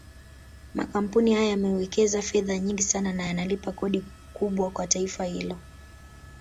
Makampuni hayo yamewekeza fedha nyingi sana na yanalipa kodi kubwa kwa taifa hilo